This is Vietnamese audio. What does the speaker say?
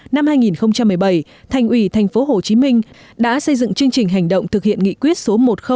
năm hai nghìn một mươi bảy thành ủy tp hcm đã xây dựng chương trình hành động thực hiện nghị quyết số một trăm linh